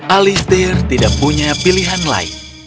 alistair tidak punya pilihan lain